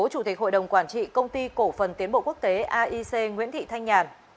chủ tịch hội đồng quản trị công ty cổ phần tiến bộ quốc tế aic nguyễn thị thanh nhàn